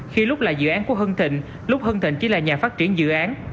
khi lúc là dự án của hưng thịnh lúc hưng thịnh chỉ là nhà phát triển dự án